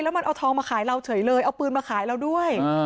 มันเอาทองมาขายเราเฉยเลยเอาปืนมาขายเราด้วย